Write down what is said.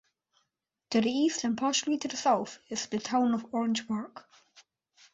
To the east and partially to the south is the town of Orange Park.